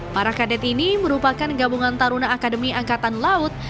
para kadet ini merupakan gabungan taruna akademi angkatan laut